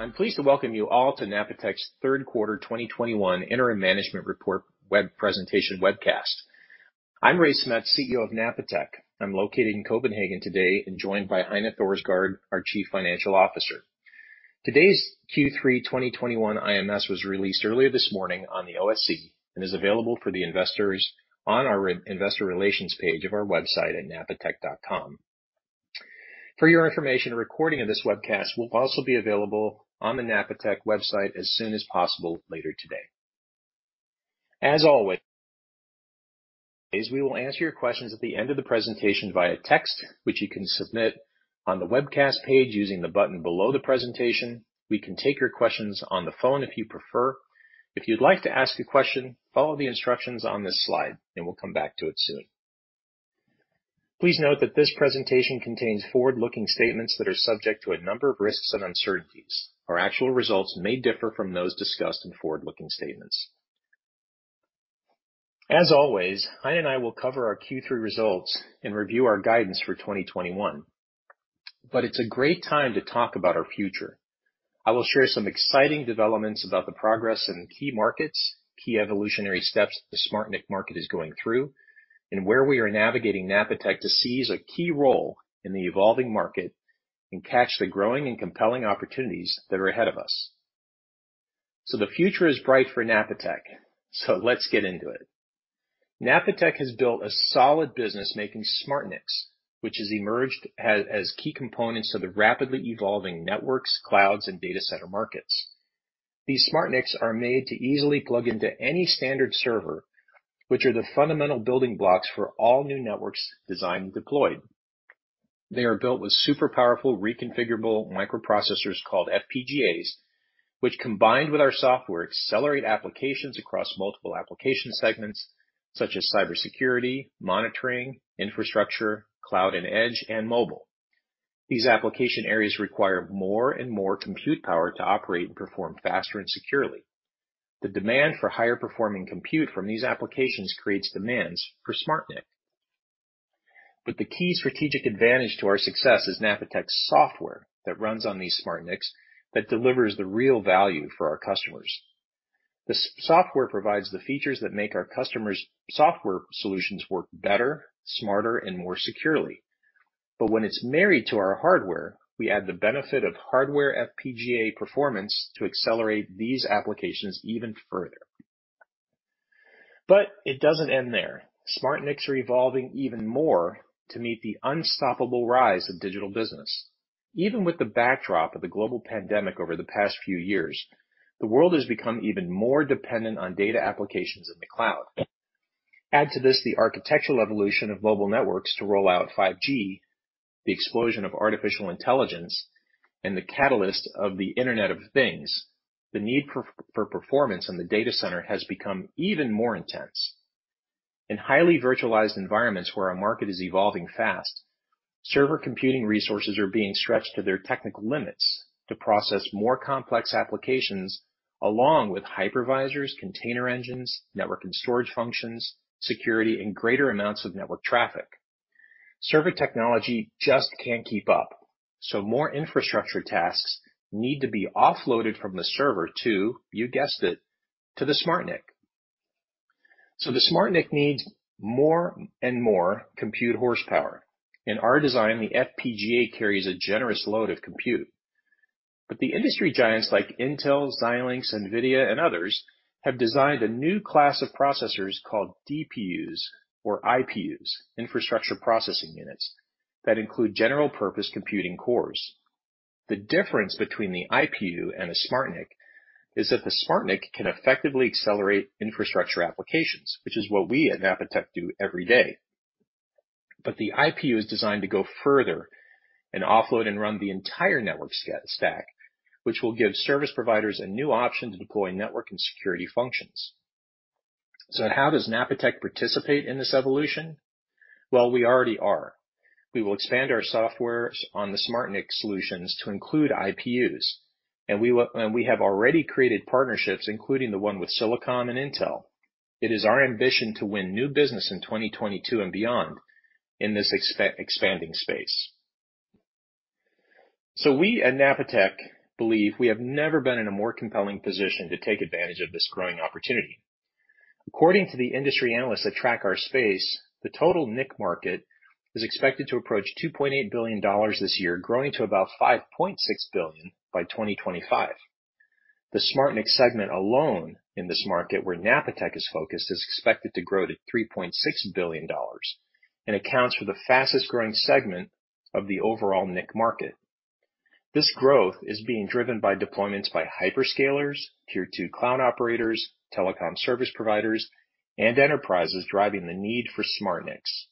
Good morning. I'm pleased to welcome you all to Napatech's third quarter 2021 interim management report presentation webcast. I'm Ray Smets, CEO of Napatech. I'm located in Copenhagen today and joined by Heine Thorsgaard, our Chief Financial Officer. Today's Q3 2021 IMS was released earlier this morning on the Oslo Stock Exchange and is available for the investors on our investor relations page of our website at napatech.com. For your information, a recording of this webcast will also be available on the Napatech website as soon as possible later today. As always, we will answer your questions at the end of the presentation via text, which you can submit on the webcast page using the button below the presentation. We can take your questions on the phone if you prefer. If you'd like to ask a question, follow the instructions on this slide and we'll come back to it soon. Please note that this presentation contains forward-looking statements that are subject to a number of risks and uncertainties. Our actual results may differ from those discussed in forward-looking statements. As always, Heine and I will cover our Q3 results and review our guidance for 2021. It's a great time to talk about our future. I will share some exciting developments about the progress in key markets, key evolutionary steps the SmartNIC market is going through, and where we are navigating Napatech to seize a key role in the evolving market and catch the growing and compelling opportunities that are ahead of us. The future is bright for Napatech, let's get into it. Napatech has built a solid business making SmartNICs, which has emerged as key components of the rapidly evolving networks, clouds, and data center markets. These SmartNICs are made to easily plug into any standard server, which are the fundamental building blocks for all new networks designed and deployed. They are built with super powerful reconfigurable microprocessors called FPGAs, which, combined with our software, accelerate applications across multiple application segments such as cybersecurity, monitoring, infrastructure, cloud and edge, and mobile. These application areas require more and more compute power to operate and perform faster and securely. The demand for higher-performing compute from these applications creates demands for SmartNIC. The key strategic advantage to our success is Napatech's software that runs on these SmartNICs that delivers the real value for our customers. The software provides the features that make our customers' software solutions work better, smarter, and more securely. When it's married to our hardware, we add the benefit of hardware FPGA performance to accelerate these applications even further. It doesn't end there. SmartNICs are evolving even more to meet the unstoppable rise of digital business. Even with the backdrop of the global pandemic over the past few years, the world has become even more dependent on data applications in the cloud. Add to this the architectural evolution of mobile networks to roll out 5G, the explosion of artificial intelligence, and the catalyst of the Internet of Things, the need for performance in the data center has become even more intense. In highly virtualized environments where our market is evolving fast, server computing resources are being stretched to their technical limits to process more complex applications, along with hypervisors, container engines, network and storage functions, security, and greater amounts of network traffic. Server technology just can't keep up, more infrastructure tasks need to be offloaded from the server to, you guessed it, to the SmartNIC. The SmartNIC needs more and more compute horsepower. In our design, the FPGA carries a generous load of compute. The industry giants like Intel, Xilinx, Nvidia, and others have designed a new class of processors called DPUs or IPUs, infrastructure processing units, that include general purpose computing cores. The difference between the IPU and a SmartNIC is that the SmartNIC can effectively accelerate infrastructure applications, which is what we at Napatech do every day. The IPU is designed to go further and offload and run the entire network stack, which will give service providers a new option to deploy network and security functions. How does Napatech participate in this evolution? Well, we already are. We will expand our software on the SmartNIC solutions to include IPUs, and we have already created partnerships, including the one with Silicom and Intel. It is our ambition to win new business in 2022 and beyond in this expanding space. We at Napatech believe we have never been in a more compelling position to take advantage of this growing opportunity. According to the industry analysts that track our space, the total NIC market is expected to approach $2.8 billion this year, growing to about $5.6 billion by 2025. The SmartNIC segment alone in this market where Napatech is focused is expected to grow to $3.6 billion and accounts for the fastest-growing segment of the overall NIC market. This growth is being driven by deployments by hyperscalers, tier 2 cloud operators, telecom service providers, and enterprises driving the need for SmartNICs.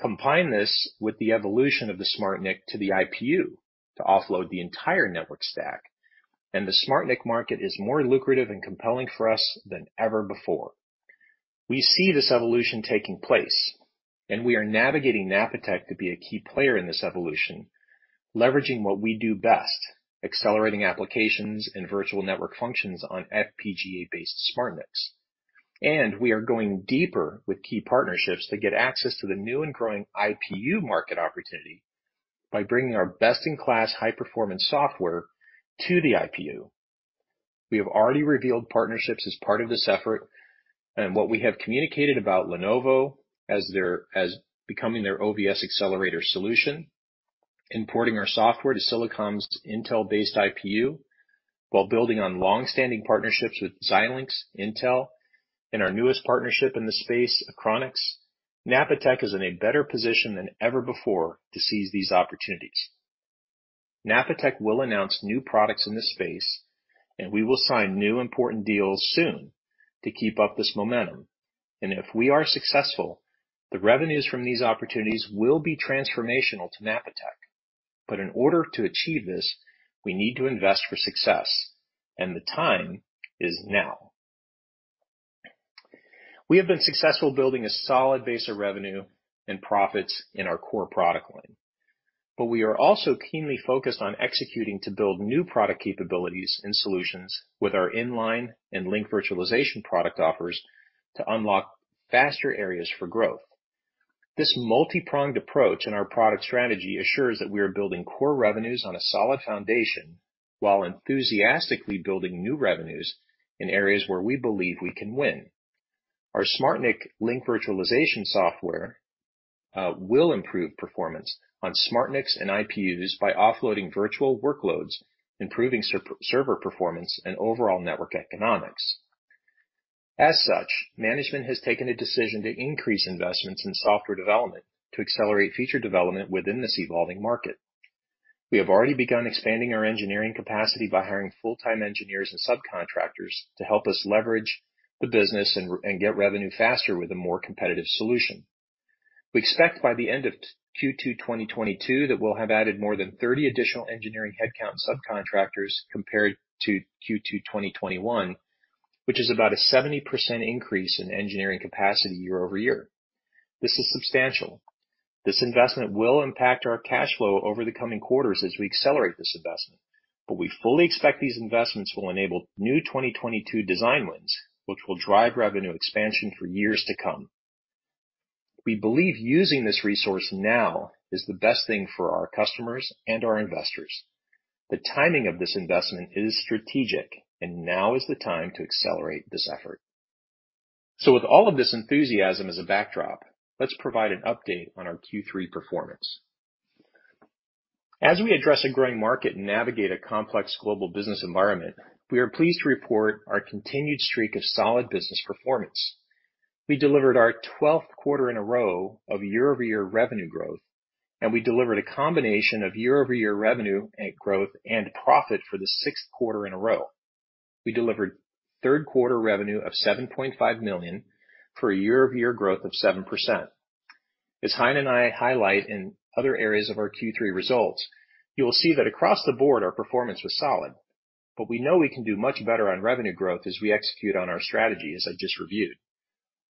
Combine this with the evolution of the SmartNIC to the IPU to offload the entire network stack, the SmartNIC market is more lucrative and compelling for us than ever before. We see this evolution taking place and we are navigating Napatech to be a key player in this evolution, leveraging what we do best, accelerating applications and virtual network functions on FPGA-based SmartNICs. We are going deeper with key partnerships to get access to the new and growing IPU market opportunity by bringing our best-in-class high-performance software to the IPU. We have already revealed partnerships as part of this effort, what we have communicated about Lenovo as becoming their OVS accelerator solution, importing our software to Silicom's Intel-based IPU, while building on longstanding partnerships with Xilinx, Intel, and our newest partnership in the space, Achronix. Napatech is in a better position than ever before to seize these opportunities. Napatech will announce new products in this space, we will sign new important deals soon to keep up this momentum. If we are successful, the revenues from these opportunities will be transformational to Napatech. In order to achieve this, we need to invest for success, and the time is now. We have been successful building a solid base of revenue and profits in our core product line, we are also keenly focused on executing to build new product capabilities and solutions with our in-line and Link-Virtualization product offers to unlock faster areas for growth. This multi-pronged approach in our product strategy assures that we are building core revenues on a solid foundation while enthusiastically building new revenues in areas where we believe we can win. Our SmartNIC Link-Virtualization software, will improve performance on SmartNICs and IPUs by offloading virtual workloads, improving server performance, and overall network economics. As such, management has taken a decision to increase investments in software development to accelerate feature development within this evolving market. We have already begun expanding our engineering capacity by hiring full-time engineers and subcontractors to help us leverage the business and get revenue faster with a more competitive solution. We expect by the end of Q2 2022 that we will have added more than 30 additional engineering headcount subcontractors compared to Q2 2021, which is about a 70% increase in engineering capacity year-over-year. This is substantial. This investment will impact our cash flow over the coming quarters as we accelerate this investment. We fully expect these investments will enable new 2022 design wins, which will drive revenue expansion for years to come. We believe using this resource now is the best thing for our customers and our investors. The timing of this investment is strategic, and now is the time to accelerate this effort. With all of this enthusiasm as a backdrop, let's provide an update on our Q3 performance. As we address a growing market and navigate a complex global business environment, we are pleased to report our continued streak of solid business performance. We delivered our 12th quarter in a row of year-over-year revenue growth, and we delivered a combination of year-over-year revenue growth and profit for the sixth quarter in a row. We delivered third quarter revenue of $7.5 million, for a year-over-year growth of 7%. As Heine and I highlight in other areas of our Q3 results, you will see that across the board, our performance was solid. We know we can do much better on revenue growth as we execute on our strategy, as I just reviewed.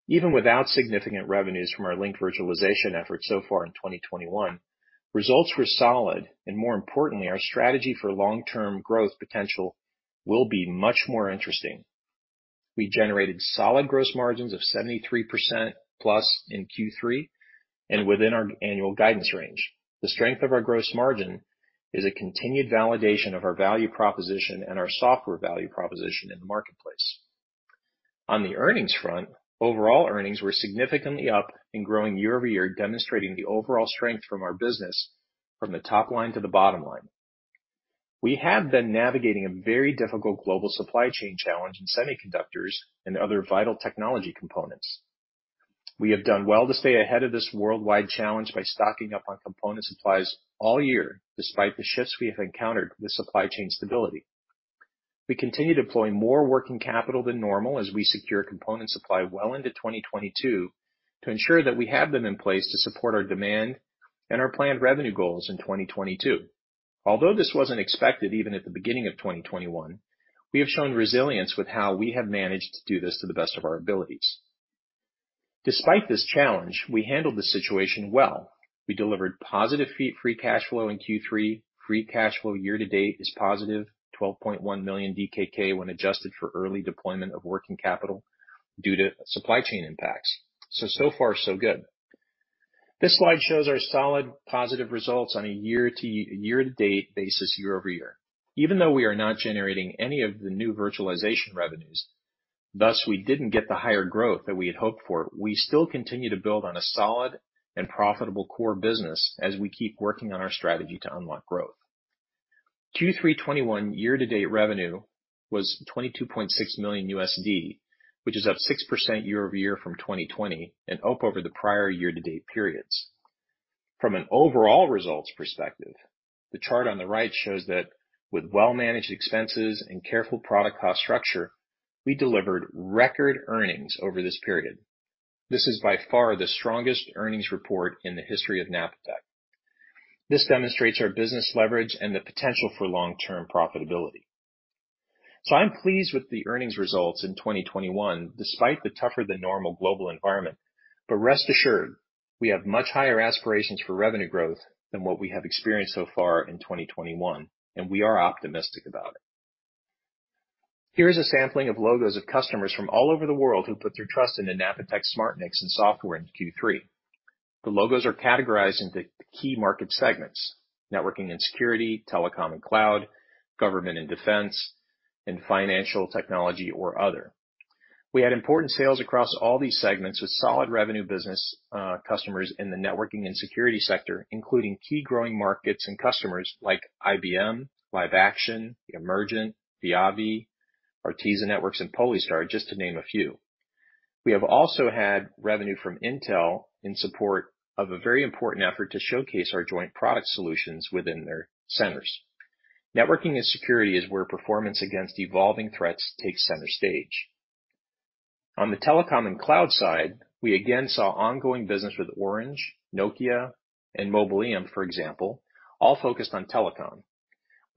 Even without significant revenues from our Link-Virtualization efforts so far in 2021, results were solid, and more importantly, our strategy for long-term growth potential will be much more interesting. We generated solid gross margins of 73% plus in Q3, and within our annual guidance range. The strength of our gross margin is a continued validation of our value proposition and our software value proposition in the marketplace. On the earnings front, overall earnings were significantly up and growing year-over-year, demonstrating the overall strength from our business from the top line to the bottom line. We have been navigating a very difficult global supply chain challenge in semiconductors and other vital technology components. We have done well to stay ahead of this worldwide challenge by stocking up on component supplies all year, despite the shifts we have encountered with supply chain stability. We continue deploying more working capital than normal as we secure component supply well into 2022 to ensure that we have them in place to support our demand and our planned revenue goals in 2022. Although this wasn't expected even at the beginning of 2021, we have shown resilience with how we have managed to do this to the best of our abilities. Despite this challenge, we handled the situation well. We delivered positive free cash flow in Q3. Free cash flow year-to-date is positive, 12.1 million DKK when adjusted for early deployment of working capital due to supply chain impacts. So far, so good. This slide shows our solid positive results on a year-to-date basis year-over-year. Even though we are not generating any of the new virtualization revenues, thus we didn't get the higher growth that we had hoped for, we still continue to build on a solid and profitable core business as we keep working on our strategy to unlock growth. Q3 2021 year-to-date revenue was $22.6 million, which is up 6% year-over-year from 2020 and up over the prior year-to-date periods. From an overall results perspective, the chart on the right shows that with well-managed expenses and careful product cost structure, we delivered record earnings over this period. This is by far the strongest earnings report in the history of Napatech. This demonstrates our business leverage and the potential for long-term profitability. I'm pleased with the earnings results in 2021, despite the tougher than normal global environment. Rest assured we have much higher aspirations for revenue growth than what we have experienced so far in 2021, and we are optimistic about it. Here is a sampling of logos of customers from all over the world who put their trust in the Napatech SmartNICs and software in Q3. The logos are categorized into key market segments, networking and security, telecom and cloud, government and defense, and financial technology or other. We had important sales across all these segments with solid revenue business customers in the networking and security sector, including key growing markets and customers like IBM, LiveAction, Emergent, Viavi, Arista Networks, and Polystar, just to name a few. We have also had revenue from Intel in support of a very important effort to showcase our joint product solutions within their centers. Networking and security is where performance against evolving threats takes center stage. The telecom and cloud side, we again saw ongoing business with Orange, Nokia, and Mobileum, for example, all focused on telecom.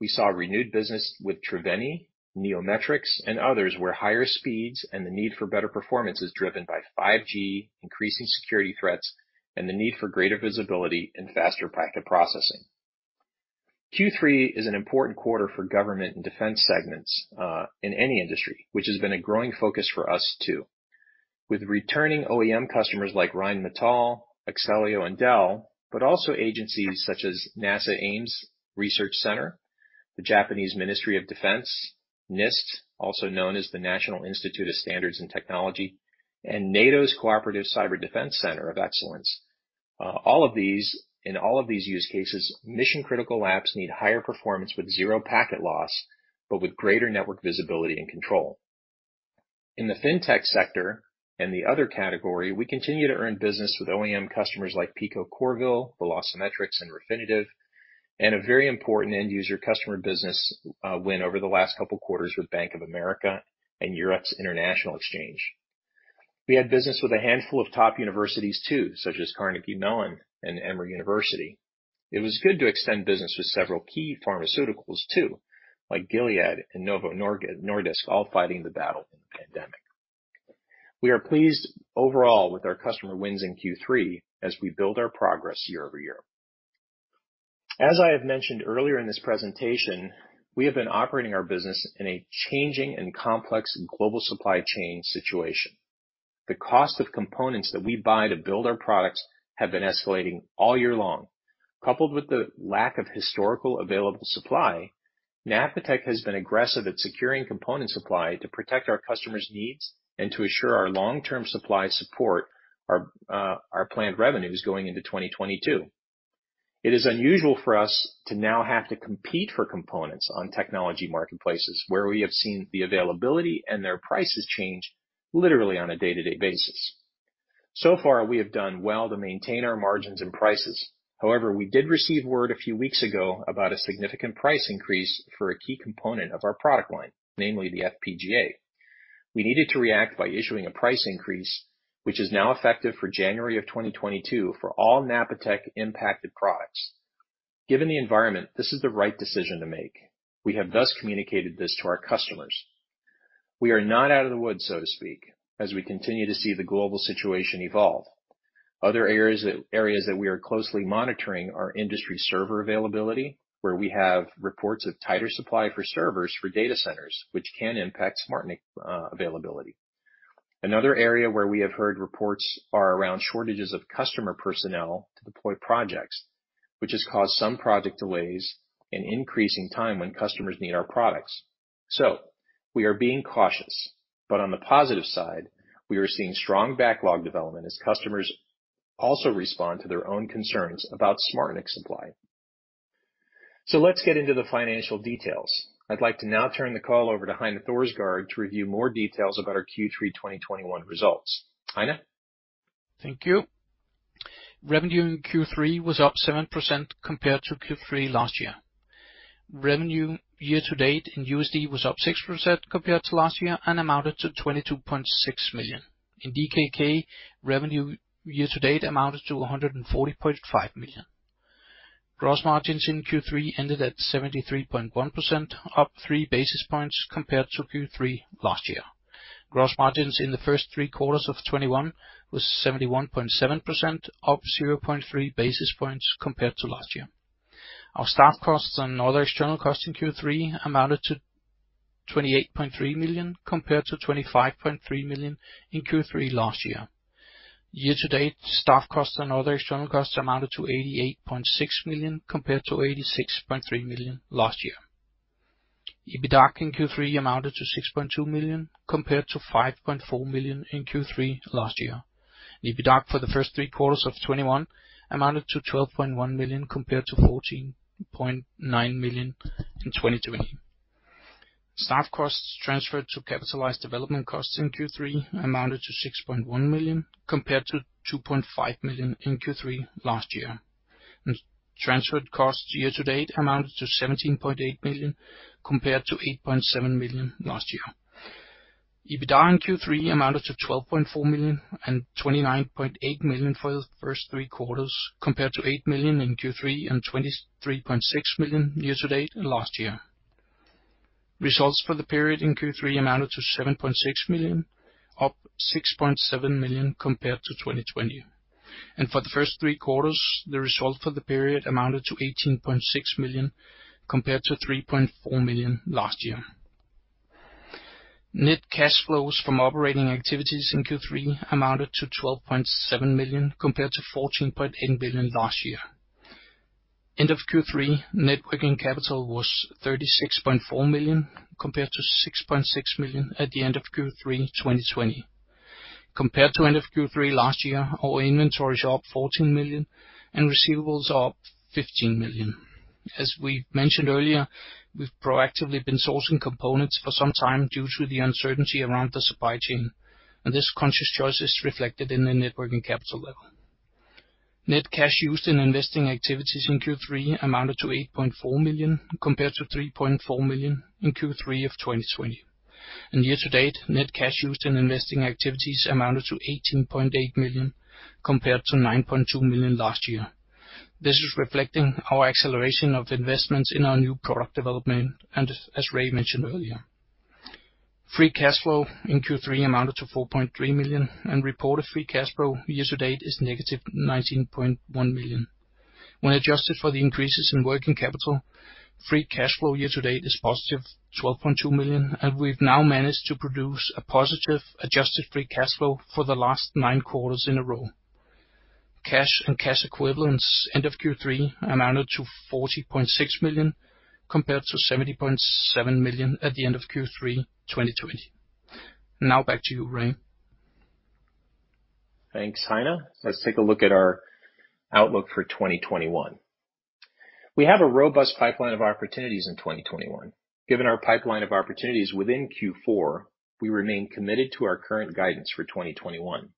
We saw renewed business with Triveni, Neometrix, and others, where higher speeds and the need for better performance is driven by 5G, increasing security threats, and the need for greater visibility and faster packet processing. Q3 is an important quarter for government and defense segments, in any industry, which has been a growing focus for us too. With returning OEM customers like Rheinmetall, Axellio, and Dell, but also agencies such as NASA Ames Research Center, the Japanese Ministry of Defense, NIST, also known as the National Institute of Standards and Technology, and NATO's Cooperative Cyber Defence Centre of Excellence. In all of these use cases, mission-critical apps need higher performance with zero packet loss, but with greater network visibility and control. The fintech sector and the other category, we continue to earn business with OEM customers like Pico Corvil, Velocimetrics, and Refinitiv, and a very important end user customer business win over the last couple quarters with Bank of America and Eurex. We had business with a handful of top universities too, such as Carnegie Mellon and Emory University. It was good to extend business with several key pharmaceuticals too, like Gilead and Novo Nordisk, all fighting the battle in the pandemic. We are pleased overall with our customer wins in Q3 as we build our progress year-over-year. As I have mentioned earlier in this presentation, we have been operating our business in a changing and complex global supply chain situation. The cost of components that we buy to build our products have been escalating all year long. Coupled with the lack of historical available supply, Napatech has been aggressive at securing component supply to protect our customers' needs and to assure our long-term supply support our planned revenues going into 2022. It is unusual for us to now have to compete for components on technology marketplaces, where we have seen the availability and their prices change literally on a day-to-day basis. So far, we have done well to maintain our margins and prices. However, we did receive word a few weeks ago about a significant price increase for a key component of our product line, namely the FPGA. We needed to react by issuing a price increase, which is now effective for January of 2022 for all Napatech impacted products. Given the environment, this is the right decision to make. We have thus communicated this to our customers. We are not out of the woods, so to speak, as we continue to see the global situation evolve. Other areas that we are closely monitoring are industry server availability, where we have reports of tighter supply for servers for data centers, which can impact SmartNIC availability. Another area where we have heard reports are around shortages of customer personnel to deploy projects, which has caused some project delays and increasing time when customers need our products. We are being cautious, but on the positive side, we are seeing strong backlog development as customers also respond to their own concerns about SmartNIC supply. Let's get into the financial details. I'd like to now turn the call over to Heine Thorsgaard to review more details about our Q3 2021 results. Heine? Thank you. Revenue in Q3 was up 7% compared to Q3 last year. Revenue year to date in USD was up 6% compared to last year and amounted to $22.6 million. In DKK, revenue year to date amounted to 140.5 million. Gross margins in Q3 ended at 73.1%, up 3 basis points compared to Q3 last year. Gross margins in the first three quarters of 2021 was 71.7%, up 0.3 basis points compared to last year. Our staff costs and other external costs in Q3 amounted to 28.3 million, compared to 25.3 million in Q3 last year. Year to date, staff costs and other external costs amounted to 88.6 million, compared to 86.3 million last year. EBITDA in Q3 amounted to 6.2 million, compared to 5.4 million in Q3 last year. EBITDA for the first three quarters of 2021 amounted to 12.1 million, compared to 14.9 million in 2020. Staff costs transferred to capitalized development costs in Q3 amounted to 6.1 million, compared to 2.5 million in Q3 last year. Transferred costs year to date amounted to 17.8 million, compared to 8.7 million last year. EBITDA in Q3 amounted to 12.4 million and 29.8 million for the first three quarters, compared to 8 million in Q3 and 23.6 million year to date last year. Results for the period in Q3 amounted to 7.6 million, up 6.7 million compared to 2020. For the first three quarters, the result for the period amounted to 18.6 million compared to 3.4 million last year. Net cash flows from operating activities in Q3 amounted to 12.7 million compared to 14.8 million last year. End of Q3, net working capital was 36.4 million compared to 6.6 million at the end of Q3 2020. Compared to end of Q3 last year, our inventories are up 14 million and receivables are up 15 million. As we mentioned earlier, we've proactively been sourcing components for some time due to the uncertainty around the supply chain, and this conscious choice is reflected in the net working capital level. Net cash used in investing activities in Q3 amounted to 8.4 million compared to 3.4 million in Q3 2020. Year to date, net cash used in investing activities amounted to 18.8 million compared to 9.2 million last year. This is reflecting our acceleration of investments in our new product development, and as Ray mentioned earlier. Free cash flow in Q3 amounted to 4.3 million, and reported free cash flow year to date is negative 19.1 million. When adjusted for the increases in working capital, free cash flow year to date is positive 12.2 million, and we've now managed to produce a positive adjusted free cash flow for the last nine quarters in a row. Cash and cash equivalents end of Q3 amounted to 40.6 million, compared to 70.7 million at the end of Q3 2020. Now back to you, Ray. Thanks, Heine. Let's take a look at our outlook for 2021. We have a robust pipeline of opportunities in 2021. Given our pipeline of opportunities within Q4, we remain committed to our current guidance for 2021.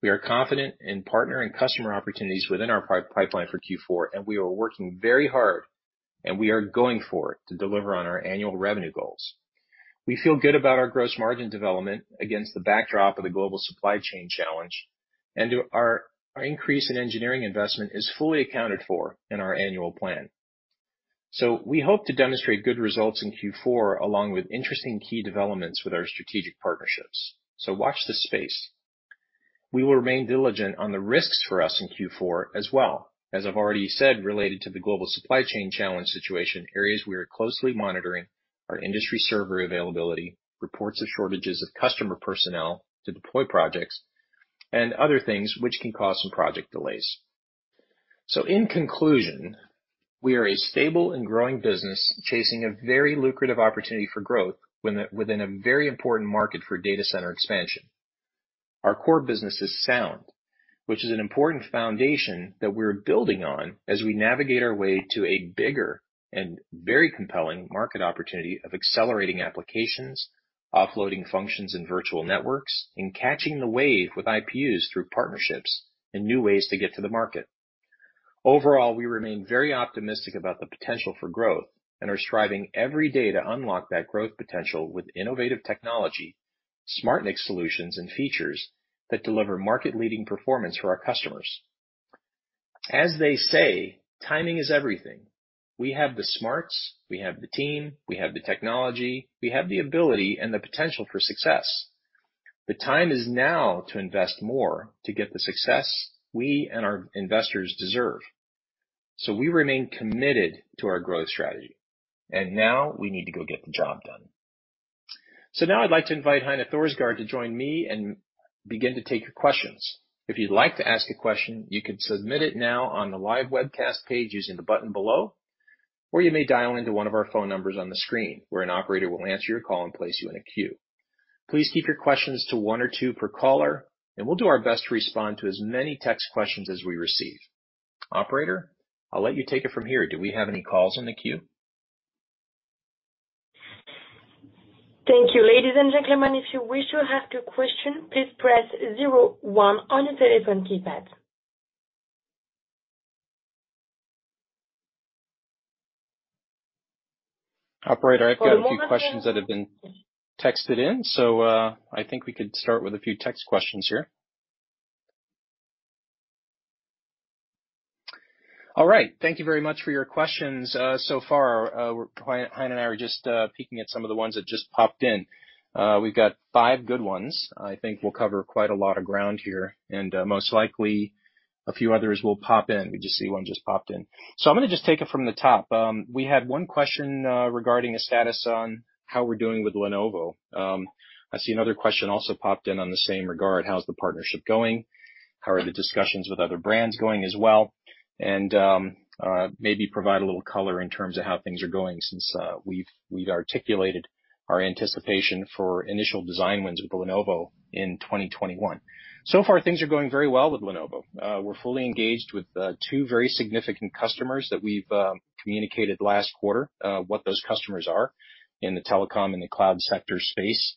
We are confident in partner and customer opportunities within our pipeline for Q4, we are working very hard, and we are going for it to deliver on our annual revenue goals. We feel good about our gross margin development against the backdrop of the global supply chain challenge, our increase in engineering investment is fully accounted for in our annual plan. We hope to demonstrate good results in Q4, along with interesting key developments with our strategic partnerships. Watch this space. We will remain diligent on the risks for us in Q4 as well. As I've already said, related to the global supply chain challenge situation, areas we are closely monitoring are industry server availability, reports of shortages of customer personnel to deploy projects, and other things which can cause some project delays. In conclusion, we are a stable and growing business chasing a very lucrative opportunity for growth within a very important market for data center expansion. Our core business is sound, which is an important foundation that we're building on as we navigate our way to a bigger and very compelling market opportunity of accelerating applications, offloading functions in virtual networks, and catching the wave with IPUs through partnerships and new ways to get to the market. Overall, we remain very optimistic about the potential for growth and are striving every day to unlock that growth potential with innovative technology, SmartNIC solutions, and features that deliver market-leading performance for our customers. As they say, timing is everything. We have the smarts, we have the team, we have the technology, we have the ability and the potential for success. The time is now to invest more to get the success we and our investors deserve. We remain committed to our growth strategy, and now we need to go get the job done. Now I'd like to invite Heine Thorsgaard to join me and begin to take your questions. If you'd like to ask a question, you can submit it now on the live webcast page using the button below, or you may dial into one of our phone numbers on the screen, where an operator will answer your call and place you in a queue. Please keep your questions to one or two per caller, and we'll do our best to respond to as many text questions as we receive. Operator, I'll let you take it from here. Do we have any calls in the queue? Thank you. Ladies and gentlemen, if you wish to ask a question, please press 01 on your telephone keypad. Operator, I've got a few questions that have been texted in. I think we could start with a few text questions here. All right. Thank you very much for your questions so far. Heine and I are just peeking at some of the ones that just popped in. We've got five good ones. I think we'll cover quite a lot of ground here, and most likely a few others will pop in. We just see one just popped in. I'm going to just take it from the top. We had one question regarding the status on how we're doing with Lenovo. I see another question also popped in on the same regard. How's the partnership going? How are the discussions with other brands going as well? Maybe provide a little color in terms of how things are going since we've articulated our anticipation for initial design wins with Lenovo in 2021. So far, things are going very well with Lenovo. We are fully engaged with two very significant customers that we've communicated last quarter what those customers are in the telecom and the cloud sector space.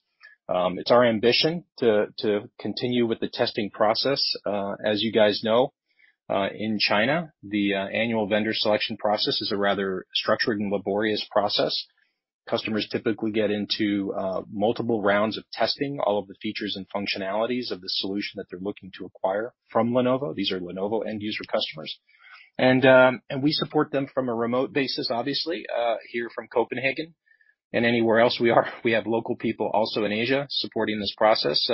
It is our ambition to continue with the testing process. As you guys know, in China, the annual vendor selection process is a rather structured and laborious process. Customers typically get into multiple rounds of testing all of the features and functionalities of the solution that they're looking to acquire from Lenovo. These are Lenovo end user customers. We support them from a remote basis, obviously, here from Copenhagen and anywhere else we are. We have local people also in Asia supporting this process.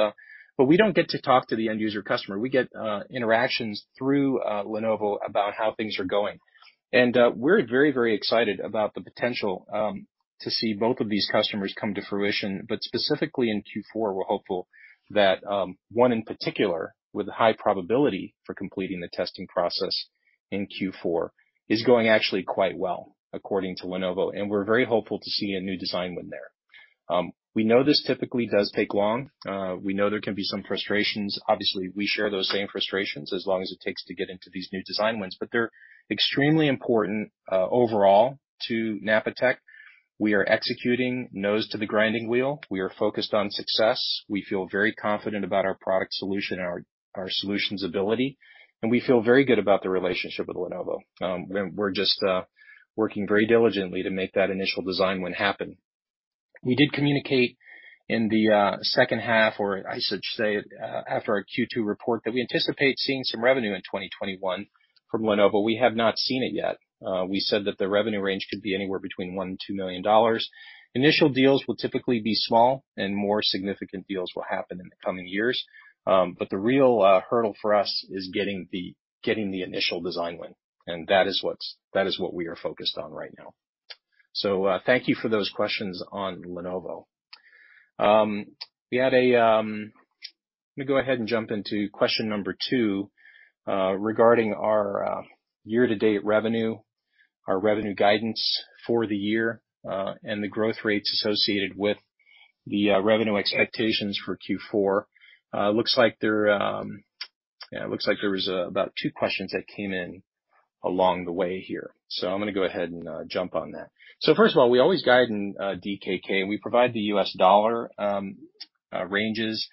We don't get to talk to the end user customer. We get interactions through Lenovo about how things are going. We are very excited about the potential to see both of these customers come to fruition. Specifically in Q4, we're hopeful that one in particular, with a high probability for completing the testing process in Q4, is going actually quite well according to Lenovo, and we're very hopeful to see a new design win there. We know this typically does take long. We know there can be some frustrations. Obviously, we share those same frustrations as long as it takes to get into these new design wins, but they're extremely important overall to Napatech. We are executing nose to the grinding wheel. We are focused on success. We feel very confident about our product solution, our solutions ability, and we feel very good about the relationship with Lenovo. We're just working very diligently to make that initial design win happen. We did communicate in the second half, or I should say, after our Q2 report, that we anticipate seeing some revenue in 2021 from Lenovo. We have not seen it yet. We said that the revenue range could be anywhere between $1 million and $2 million. Initial deals will typically be small, and more significant deals will happen in the coming years. The real hurdle for us is getting the initial design win, and that is what we are focused on right now. Thank you for those questions on Lenovo. Let me go ahead and jump into question number two, regarding our year-to-date revenue, our revenue guidance for the year, and the growth rates associated with the revenue expectations for Q4. It looks like there was about two questions that came in along the way here, I'm going to go ahead and jump on that. First of all, we always guide in DKK, and we provide the US dollar ranges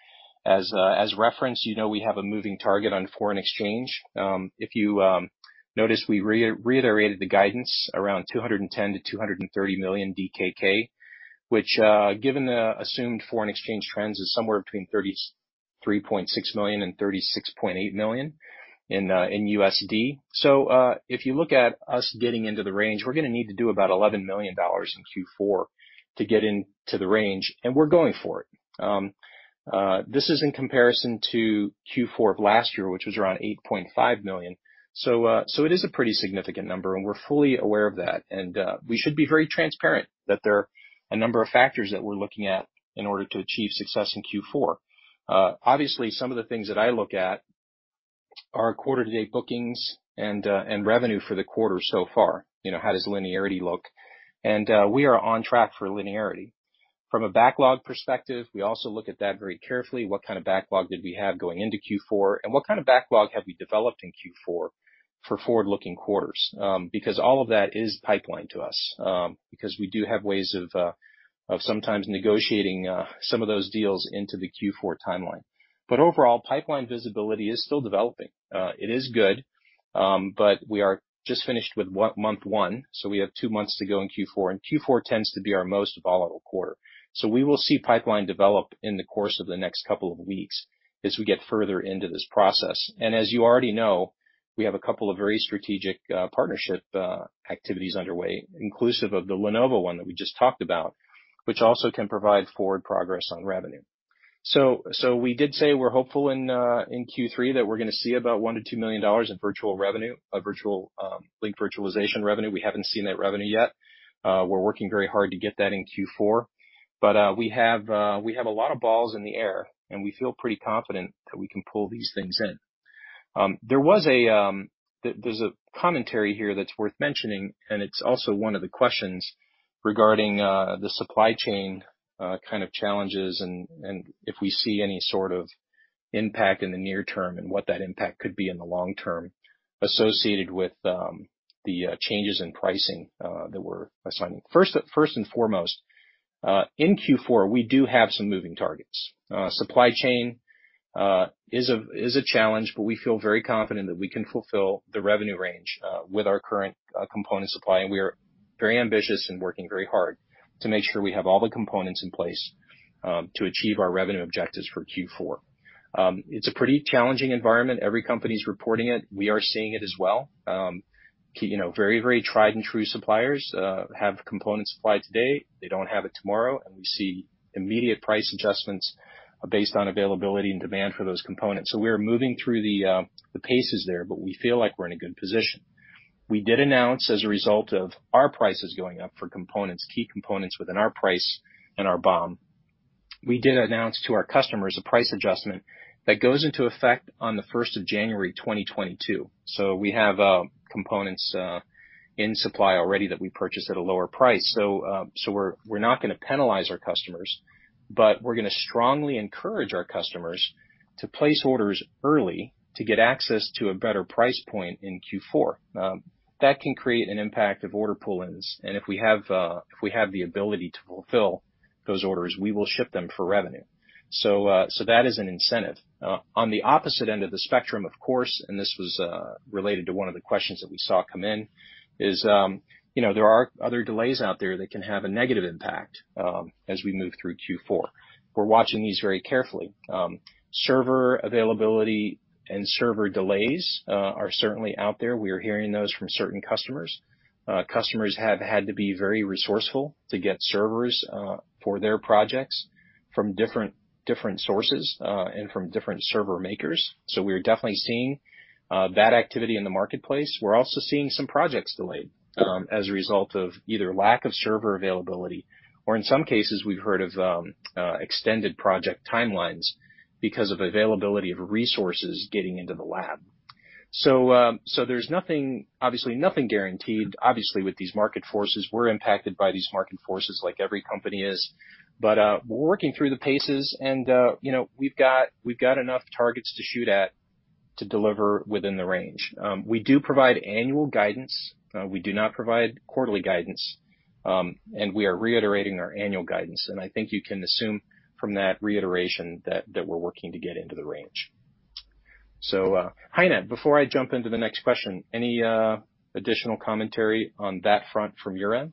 as reference. You know we have a moving target on foreign exchange. If you noticed, we reiterated the guidance around 210 million DKK-230 million DKK, which given the assumed foreign exchange trends, is somewhere between $33.6 million-$36.8 million in USD. If you look at us getting into the range, we're going to need to do about $11 million in Q4 to get into the range, and we're going for it. This is in comparison to Q4 of last year, which was around $8.5 million. It is a pretty significant number, and we're fully aware of that. We should be very transparent that there are a number of factors that we're looking at in order to achieve success in Q4. Obviously, some of the things that I look at are quarter-to-date bookings and revenue for the quarter so far. How does linearity look? We are on track for linearity. From a backlog perspective, we also look at that very carefully. What kind of backlog did we have going into Q4, and what kind of backlog have we developed in Q4 for forward-looking quarters? All of that is pipeline to us, because we do have ways of sometimes negotiating some of those deals into the Q4 timeline. Overall, pipeline visibility is still developing. It is good, but we are just finished with month one, so we have two months to go in Q4, and Q4 tends to be our most volatile quarter. We will see pipeline develop in the course of the next couple of weeks as we get further into this process. As you already know, we have a couple of very strategic partnership activities underway, inclusive of the Lenovo one that we just talked about, which also can provide forward progress on revenue. We did say we're hopeful in Q3 that we're going to see about $1 million-$2 million in virtual revenue, Link-Virtualization revenue. We haven't seen that revenue yet. We're working very hard to get that in Q4. We have a lot of balls in the air, and we feel pretty confident that we can pull these things in. There's a commentary here that's worth mentioning, it's also one of the questions regarding the supply chain kind of challenges, and if we see any sort of impact in the near term and what that impact could be in the long term associated with the changes in pricing that we're assigning. First and foremost, in Q4, we do have some moving targets. Supply chain is a challenge, but we feel very confident that we can fulfill the revenue range with our current component supply, and we are very ambitious and working very hard to make sure we have all the components in place to achieve our revenue objectives for Q4. It's a pretty challenging environment. Every company's reporting it. We are seeing it as well. Very tried and true suppliers have component supply today. They don't have it tomorrow, and we see immediate price adjustments based on availability and demand for those components. We are moving through the paces there, but we feel like we're in a good position. We did announce, as a result of our prices going up for key components within our price and our BOM, we did announce to our customers a price adjustment that goes into effect on the 1st of January 2022. We have components in supply already that we purchased at a lower price. We're not going to penalize our customers, but we're going to strongly encourage our customers to place orders early to get access to a better price point in Q4. That can create an impact of order pull-ins, and if we have the ability to fulfill those orders, we will ship them for revenue. That is an incentive. On the opposite end of the spectrum, of course, and this was related to one of the questions that we saw come in, there are other delays out there that can have a negative impact as we move through Q4. We're watching these very carefully. Server availability and server delays are certainly out there. We are hearing those from certain customers. Customers have had to be very resourceful to get servers for their projects from different sources, and from different server makers. We're definitely seeing that activity in the marketplace. We're also seeing some projects delayed, as a result of either lack of server availability or in some cases, we've heard of extended project timelines because of availability of resources getting into the lab. There's obviously nothing guaranteed. Obviously, with these market forces, we're impacted by these market forces like every company is. We're working through the paces and we've got enough targets to shoot at to deliver within the range. We do provide annual guidance. We do not provide quarterly guidance. We are reiterating our annual guidance, and I think you can assume from that reiteration that we're working to get into the range. Heine, before I jump into the next question, any additional commentary on that front from your end?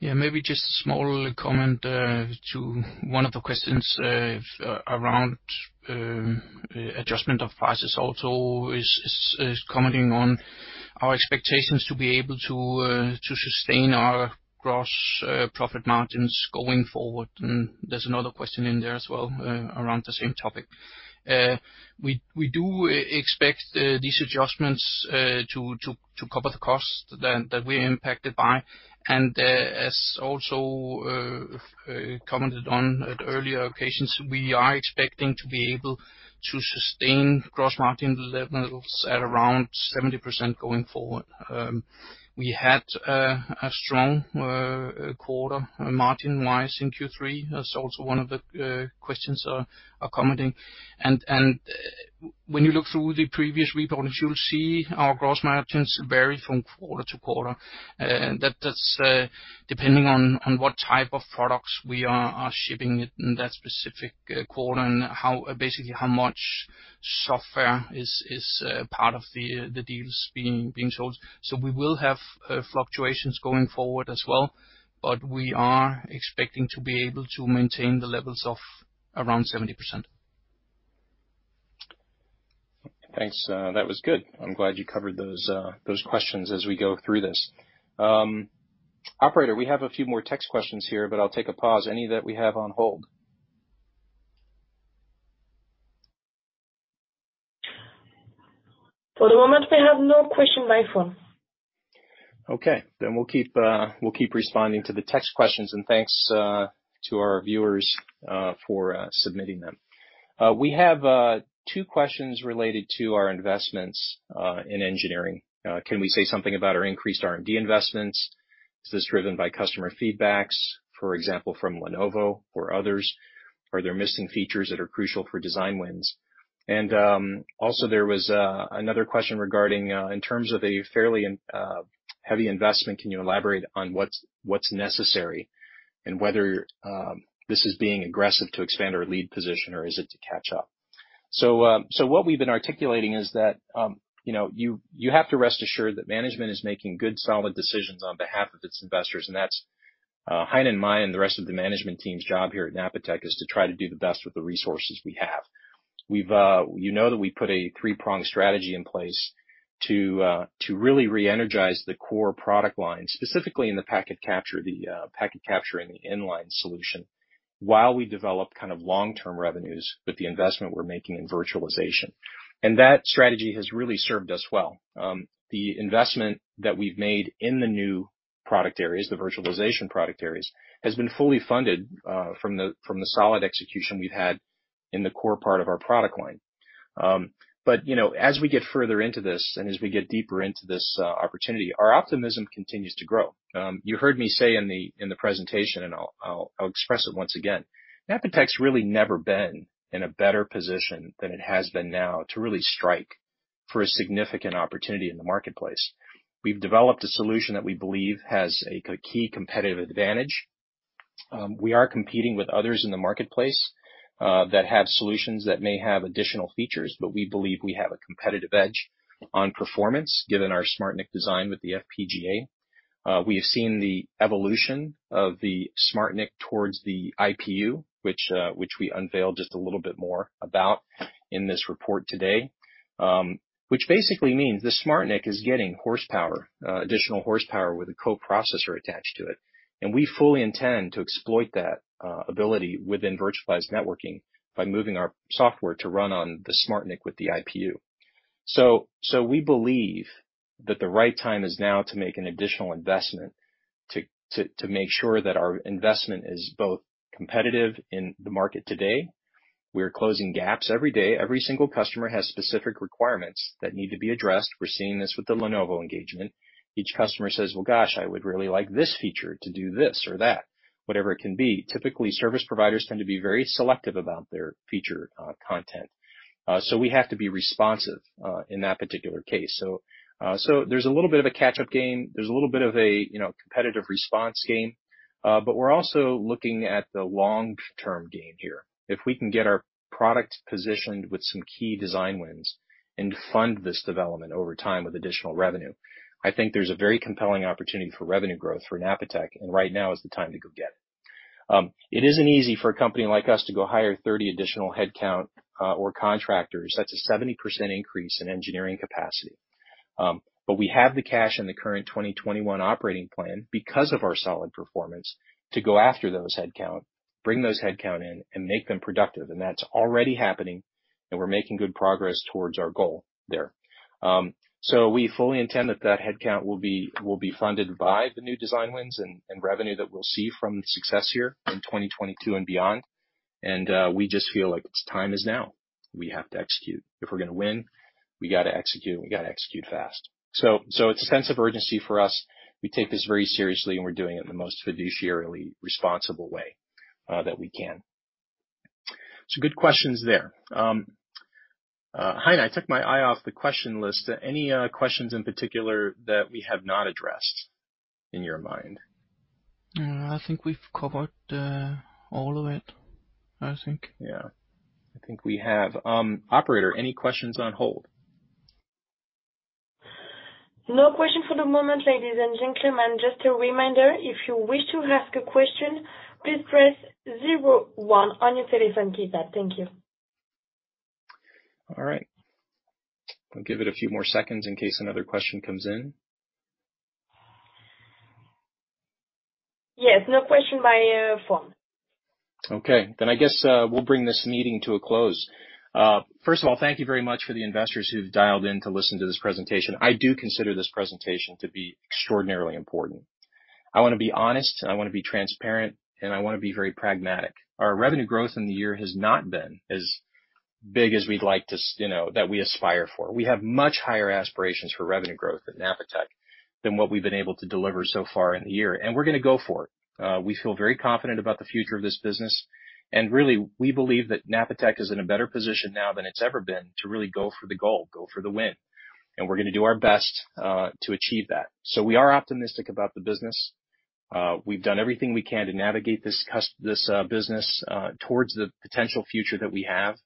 Maybe just a small comment to one of the questions around adjustment of prices. Also is commenting on our expectations to be able to sustain our gross profit margins going forward, and there's another question in there as well around the same topic. We do expect these adjustments to cover the cost that we are impacted by. As also commented on at earlier occasions, we are expecting to be able to sustain gross margin levels at around 70% going forward. We had a strong quarter margin-wise in Q3. That's also one of the questions are commenting. When you look through the previous reports, you'll see our gross margins vary from quarter to quarter. That's depending on what type of products we are shipping in that specific quarter and basically how much software is part of the deals being sold. We will have fluctuations going forward as well, but we are expecting to be able to maintain the levels of around 70%. Thanks. That was good. I'm glad you covered those questions as we go through this. Operator, we have a few more text questions here, but I'll take a pause. Any that we have on hold? For the moment, we have no question by phone. We'll keep responding to the text questions, and thanks to our viewers for submitting them. We have two questions related to our investments in engineering. Can we say something about our increased R&D investments? Is this driven by customer feedback, for example, from Lenovo or others? Are there missing features that are crucial for design wins? Also there was another question regarding, in terms of a fairly heavy investment, can you elaborate on what's necessary and whether this is being aggressive to expand our lead position or is it to catch up? What we've been articulating is that you have to rest assured that management is making good, solid decisions on behalf of its investors, and that's Heine, mine, and the rest of the management team's job here at Napatech is to try to do the best with the resources we have. You know that we put a 3-pronged strategy in place to really reenergize the core product line, specifically in the packet capture in the in-line solution, while we develop kind of long-term revenues with the investment we're making in virtualization. That strategy has really served us well. The investment that we've made in the new product areas, the virtualization product areas, has been fully funded from the solid execution we've had in the core part of our product line. As we get further into this and as we get deeper into this opportunity, our optimism continues to grow. You heard me say in the presentation, and I'll express it once again, Napatech's really never been in a better position than it has been now to really strike for a significant opportunity in the marketplace. We've developed a solution that we believe has a key competitive advantage. We are competing with others in the marketplace that have solutions that may have additional features, but we believe we have a competitive edge on performance given our SmartNIC design with the FPGA. We have seen the evolution of the SmartNIC towards the IPU, which we unveiled just a little bit more about in this report today, which basically means the SmartNIC is getting additional horsepower with a co-processor attached to it. We fully intend to exploit that ability within virtualized networking by moving our software to run on the SmartNIC with the IPU. We believe that the right time is now to make an additional investment to make sure that our investment is both competitive in the market today. We're closing gaps every day. Every single customer has specific requirements that need to be addressed. We're seeing this with the Lenovo engagement. Each customer says, "Well, gosh, I would really like this feature to do this or that," whatever it can be. Typically, service providers tend to be very selective about their feature content. We have to be responsive in that particular case. There's a little bit of a catch-up game. There's a little bit of a competitive response game. We're also looking at the long-term gain here. If we can get our product positioned with some key design wins and fund this development over time with additional revenue, I think there's a very compelling opportunity for revenue growth for Napatech, and right now is the time to go get it. It isn't easy for a company like us to go hire 30 additional headcount or contractors. That's a 70% increase in engineering capacity. We have the cash in the current 2021 operating plan because of our solid performance to go after those headcount, bring those headcount in, and make them productive, and that's already happening, and we're making good progress towards our goal there. We fully intend that that headcount will be funded by the new design wins and revenue that we'll see from the success here in 2022 and beyond. We just feel like the time is now. We have to execute. If we're going to win, we got to execute, and we got to execute fast. It's a sense of urgency for us. We take this very seriously, and we're doing it in the most fiduciarily responsible way that we can. Some good questions there. Heine, I took my eye off the question list. Any questions in particular that we have not addressed in your mind? No, I think we've covered all of it. I think. Yeah. I think we have. Operator, any questions on hold? No question for the moment, ladies and gentlemen. Just a reminder, if you wish to ask a question, please press zero one on your telephone keypad. Thank you. All right. We'll give it a few more seconds in case another question comes in. Yes. No question by phone. I guess we'll bring this meeting to a close. First of all, thank you very much for the investors who've dialed in to listen to this presentation. I do consider this presentation to be extraordinarily important. I want to be honest, and I want to be transparent, and I want to be very pragmatic. Our revenue growth in the year has not been as big as we'd like, that we aspire for. We have much higher aspirations for revenue growth at Napatech than what we've been able to deliver so far in the year. We're going to go for it. We feel very confident about the future of this business, and really, we believe that Napatech is in a better position now than it's ever been to really go for the goal, go for the win, and we're going to do our best to achieve that. We are optimistic about the business. We've done everything we can to navigate this business towards the potential future that we have.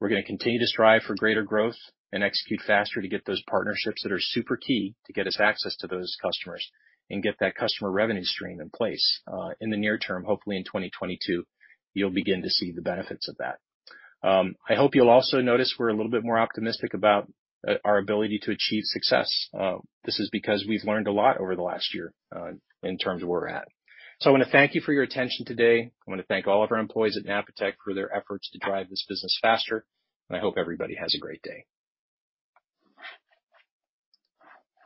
We're going to continue to strive for greater growth and execute faster to get those partnerships that are super key to get us access to those customers and get that customer revenue stream in place. In the near term, hopefully in 2022, you'll begin to see the benefits of that. I hope you'll also notice we're a little bit more optimistic about our ability to achieve success. This is because we've learned a lot over the last year in terms of where we're at. I want to thank you for your attention today. I want to thank all of our employees at Napatech for their efforts to drive this business faster, and I hope everybody has a great day.